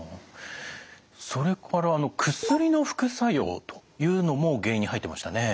それから薬の副作用というのも原因に入ってましたね。